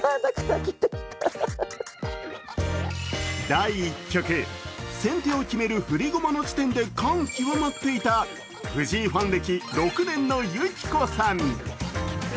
第１局、先手を決める振り駒の時点で感極まっていた藤井ファン歴６年のゆきこさん。